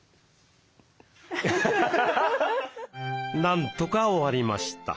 なんとか終わりました。